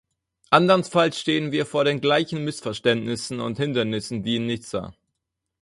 Andernfalls stehen wir vor den gleichen Missverständnissen und Hindernissen wie in Nizza.